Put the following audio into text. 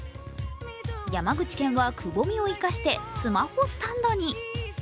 山口県はくぼみを生かしてスマホスタンドに。